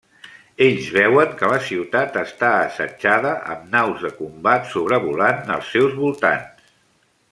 Ells veuen que la ciutat està assetjada amb naus de combat sobrevolant els seus voltants.